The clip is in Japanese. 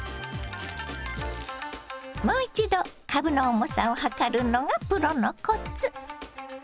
もう一度かぶの重さを量るのがプロのコツ。